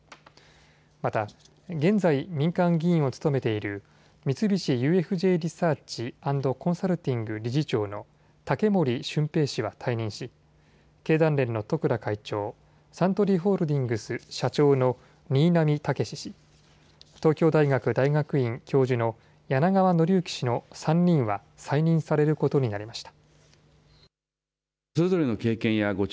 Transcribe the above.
また現在、民間議員を務めている三菱ＵＦＪリサーチ＆コンサルティング理事長の竹森俊平氏は退任し経団連の十倉会長、サントリーホールディングス社長の新浪剛史氏、東京大学大学院教授の柳川範之氏の３人は再任されることになりました。